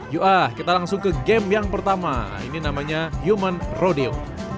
yuk kita langsung ke game yang pertama ini namanya human rodium